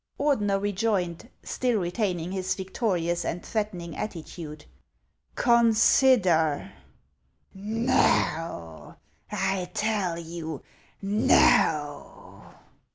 " Ordener rejoined, still retaining his victorious and threatening attitude :" Consider !"" No ; I tell you no !